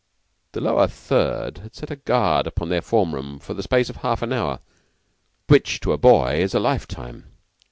The Lower Third had set a guard upon their form room for the space of a full hour, which to a boy is a lifetime.